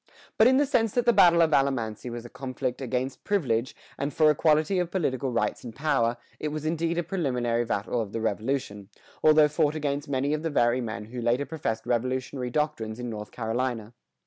But in the sense that the battle of Alamance was a conflict against privilege, and for equality of political rights and power, it was indeed a preliminary battle of the Revolution, although fought against many of the very men who later professed Revolutionary doctrines in North Carolina.